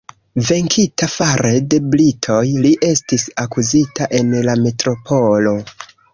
Venkita fare de britoj, li estis akuzita en la metropolo.